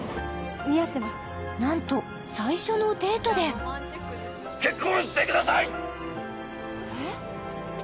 なんと最初のデートで結婚してください！